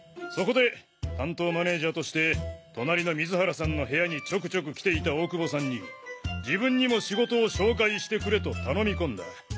そこで担当マネージャーとして隣の水原さんの部屋にちょくちょく来ていた大久保さんに自分にも仕事を紹介してくれと頼み込んだ。